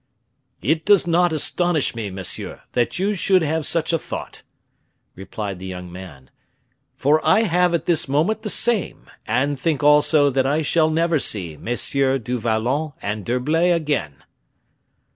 "It does not astonish me, monsieur, that you should have such a thought," replied the young man, "for I have at this moment the same, and think also that I shall never see Messieurs du Vallon and d'Herblay again."